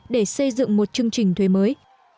để xây dựng một chương trình thuế mới